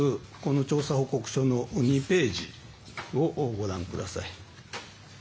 調査報告書の２ページをご覧ください。